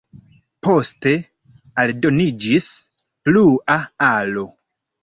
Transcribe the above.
Poste aldoniĝis plua alo.